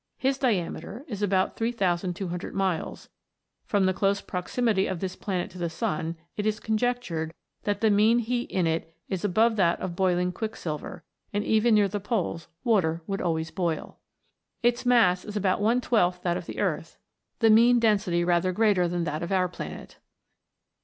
His diameter is about 3200 miles ; from the close proximity of this planet to the sun, it is conjectured that the mean heat in it is above that of boiling qiiicksilver, and even near the poles water would always boil. Its mass is about one twelfth that of the Earth, the mean density rather greater than that of our planet.